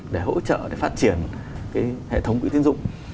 để phát triển cái hệ thống quỹ tiến dụng